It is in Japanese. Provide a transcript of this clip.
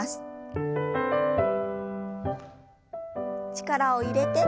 力を入れて。